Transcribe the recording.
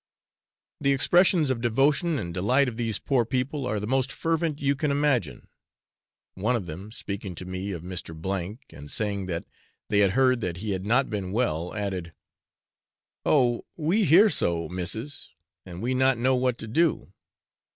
The expressions of devotion and delight of these poor people are the most fervent you can imagine. One of them, speaking to me of Mr. , and saying that they had heard that he had not been well, added, 'Oh! we hear so, missis, and we not know what to do.